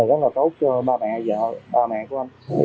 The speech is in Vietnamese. rất là tốt cho ba mẹ ba mẹ của anh